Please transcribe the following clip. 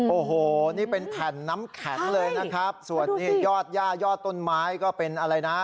โอ้โหนี่เป็นแผ่นน้ำแข็งเลยนะครับส่วนนี้ยอดย่ายอดต้นไม้ก็เป็นอะไรนะ